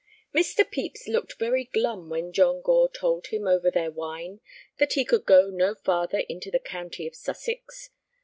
XXIX Mr. Pepys looked very glum when John Gore told him over their wine that he could go no farther into the county of Sussex.